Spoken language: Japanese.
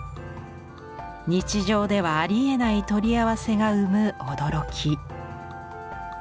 日常ではありえない取り合わせが生む驚き。